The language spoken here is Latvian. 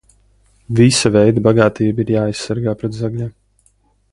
Visa veida bagātība ir jāaizsargā pret zagļiem.